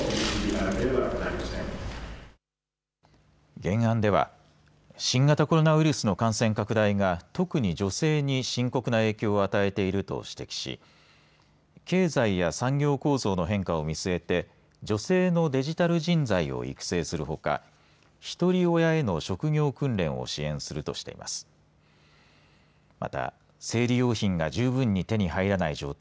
原案では新型コロナウイルスの感染拡大が特に女性に深刻な影響を与えていると指摘し経済や産業構造の変化を見据えて女性のデジタル人材を育成するほかひとり親への職業訓練を支援するとしています。